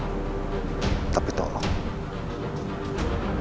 jangan lupa untuk berlangganan